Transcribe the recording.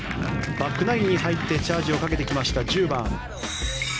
バックナインに入ってチャージをかけてきました１０番。